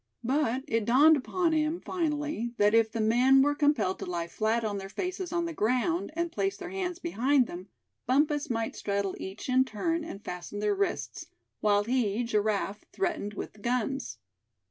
But it dawned upon him finally that if the men were compelled to lie flat on their faces on the ground, and place their hands behind them, Bumpus might straddle each in turn, and fasten their wrists, while he, Giraffe threatened with the guns.